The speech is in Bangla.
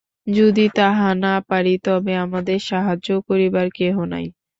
যদি তাহা না পারি, তবে আমাদের সাহায্য করিবার কেহ নাই।